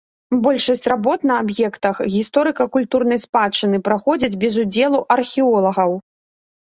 Большасць работ на аб'ектах гісторыка-культурнай спадчыны праходзяць без удзелу археолагаў.